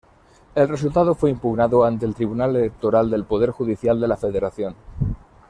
El resultado fue impugnado ante el Tribunal Electoral del Poder Judicial de la Federación.